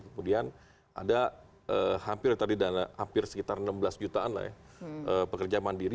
kemudian ada hampir sekitar enam belas jutaan pekerja mandiri